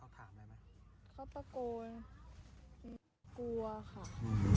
เขาก็ประโกนไม่กลัวค่ะ